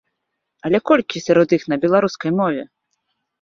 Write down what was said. Але колькі сярод іх на беларускай мове?